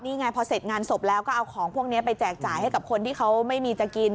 นี่ไงพอเสร็จงานศพแล้วก็เอาของพวกนี้ไปแจกจ่ายให้กับคนที่เขาไม่มีจะกิน